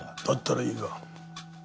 だったらいいが。